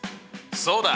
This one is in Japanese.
そうだ！